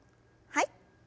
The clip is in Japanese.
はい。